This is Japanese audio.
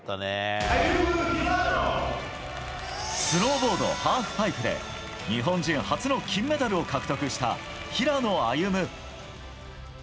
スノーボード・ハーフパイプで日本人初の金メダルを獲得した平野歩夢。